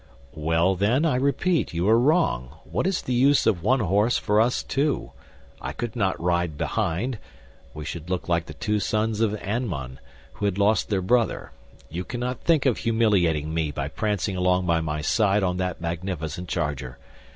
"Well, then, I repeat, you are wrong. What is the use of one horse for us two? I could not ride behind. We should look like the two sons of Aymon, who had lost their brother. You cannot think of humiliating me by prancing along by my side on that magnificent charger.